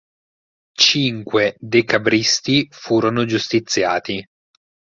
Cinque decabristi furono giustiziati.